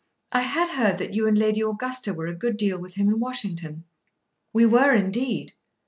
I had heard that you and Lady Augusta were a good deal with him in Washington." "We were, indeed.